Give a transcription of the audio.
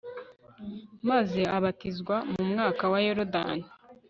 maze abatizwa mu mwaka wayorodani